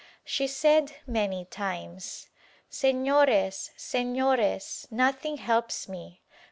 She said many times, "Senores, Senores, nothing helps me.